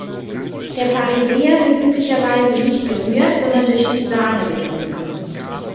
Der Pharisäer wird üblicherweise nicht gerührt, sondern durch die Sahne getrunken.